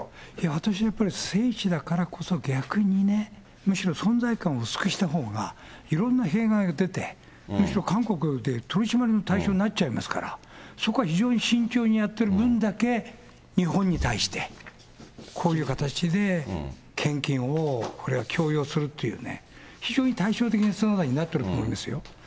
私やっぱり聖地だからこそ逆にね、むしろ存在感を薄くしたほうが、いろんな弊害が出て、むしろ韓国で取締りの対象になっちゃいますから、そこは非常に慎重にやってる分だけ、日本に対して、こういう形で献金をこれは強要するっていうね、非常に対照的な姿になってると思いますよ。